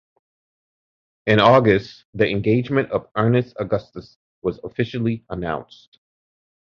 In August, the engagement with Ernest Augustus was officially announced.